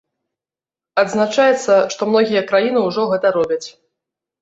Адзначаецца, што многія краіны ўжо гэта робяць.